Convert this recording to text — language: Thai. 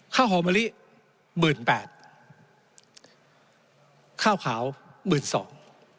ข้าวหอมะลิหมื่นแปดข้าวขาวหมื่นสอง